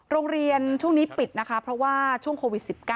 โรงเรียนช่วงนี้ปิดนะคะเพราะว่าช่วงโควิด๑๙